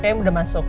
kayaknya udah masuk